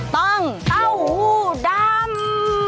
ต้องเต้าหู้ดำ